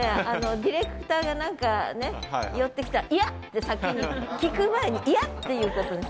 ディレクターが何かね寄ってきたら「嫌！」って先に聞く前に「嫌！」って言うことに。